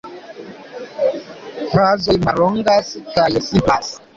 Frazoj mallongas kaj simplas.